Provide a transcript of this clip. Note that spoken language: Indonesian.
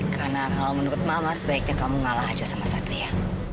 karena kalau menurut mama sebaiknya kamu ngalah aja sama satria